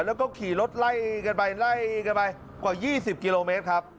แล้วก็ขี่รถไล่กันไปไล่กันไปกว่า๒๐กิโลเมตรครับ